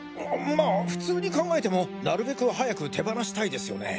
まあ普通に考えてもなるべく早く手放したいですよね。